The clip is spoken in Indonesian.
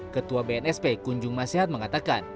ketua bnsp kunjung mas sehat mengatakan